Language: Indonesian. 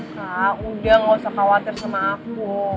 nah udah gak usah khawatir sama aku